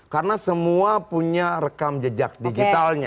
karena semua punya rekam jejak digitalnya